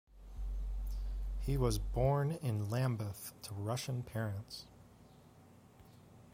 He was born in Lambeth to Russian parents.